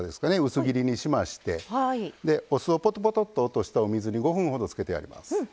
薄切りにしましてお酢をぽとぽとっと落としたお水に５分ほどつけてあります。